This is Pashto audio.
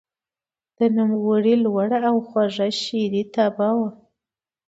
د نوموړي لوړه او خوږه شعري طبعه وه.